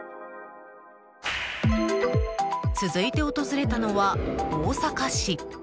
続いて訪れたのは大阪市。